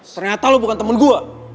ternyata lo bukan teman gue